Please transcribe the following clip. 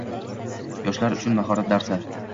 Yoshlar uchun mahorat darsi